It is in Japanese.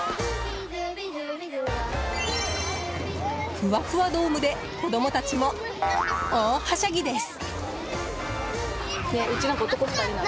ふわふわドームで、子供たちも大はしゃぎです。